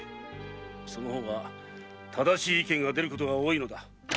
その方が正しい意見が出ることが多いのだ。